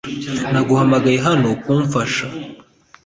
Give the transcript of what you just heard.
Naguhamagaye hano kumfasha